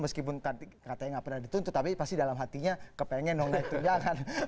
meskipun tadi katanya tidak pernah dituntut tapi pasti dalam hatinya kepengen untuk naik tunjangan